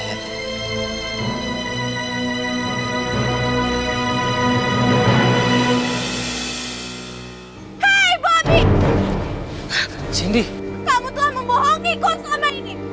yang penting kita saling cinta dan kita saling percaya